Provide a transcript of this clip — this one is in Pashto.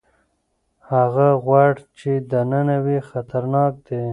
هغه غوړ چې دننه وي خطرناک دي.